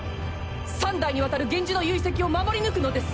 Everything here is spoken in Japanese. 三代にわたる源氏の遺跡を守り抜くのです。